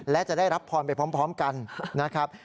และจะได้รับพรไปพร้อมกันนะครับ